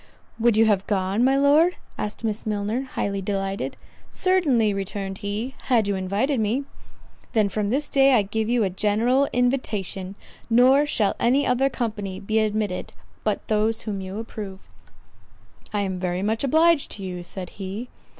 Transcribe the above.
"Would you have gone, my Lord?" asked Miss Milner, highly delighted. "Certainly," returned he, "had you invited me." "Then from this day I give you a general invitation; nor shall any other company be admitted but those whom you approve." "I am very much obliged to you," said he.